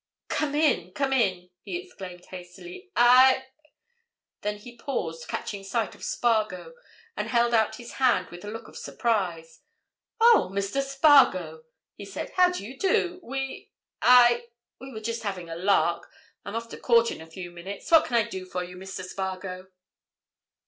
"Come in, come in!" he exclaimed hastily. "I—" Then he paused, catching sight of Spargo, and held out his hand with a look of surprise. "Oh—Mr. Spargo?" he said. "How do you do?—we—I—we were just having a lark—I'm off to court in a few minutes. What can I do for you, Mr. Spargo?"